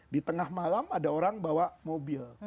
di tengah malam ada orang bawa mobil